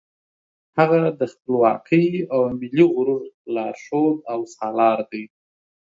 هغه د خپلواکۍ او ملي غرور لارښود او سالار دی.